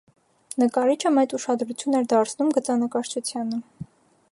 Նկարիչը մեծ ուշադրություն էր դարձնում գծանկարչությանը։